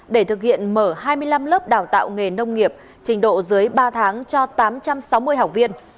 để thực hiện mở hai mươi năm lớp đào tạo nghề nông nghiệp trình độ dưới ba tháng cho tám trăm sáu mươi học viên